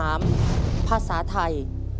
ถ้าพร้อมแล้วเรามาดูคำถามทั้ง๕เรื่องพร้อมกันเลยครับ